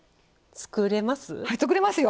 作れますよ！